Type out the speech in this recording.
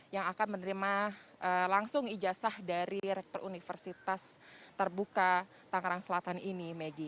yang akan menerima langsung ijazah dari rektor universitas terbuka tangerang selatan ini megi